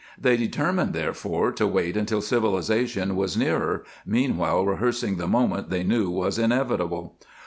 They determined, therefore, to wait until civilization was nearer, meanwhile rehearsing the moment they knew was inevitable.